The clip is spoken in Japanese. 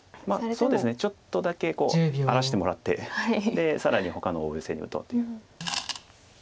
そうですねちょっとだけ荒らしてもらって更にほかの大ヨセに打とうという。